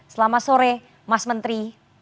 selamat sore mas menteri